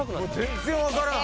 全然わからん。